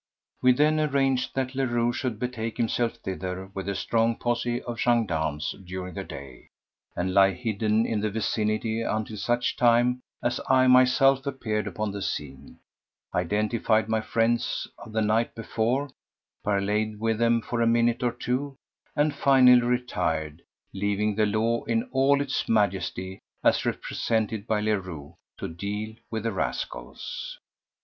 We then arranged that Leroux should betake himself thither with a strong posse of gendarmes during the day, and lie hidden in the vicinity until such time as I myself appeared upon the scene, identified my friends of the night before, parleyed with them for a minute or two, and finally retired, leaving the law in all its majesty, as represented by Leroux, to deal with the rascals.